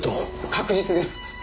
確実です！